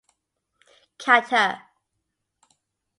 Cutter.